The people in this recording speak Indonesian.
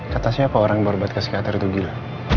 kata siapa orang yang berobat ke psikiater itu gila